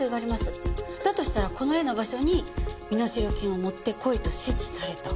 だとしたらこの絵の場所に身代金を持って来いと指示された。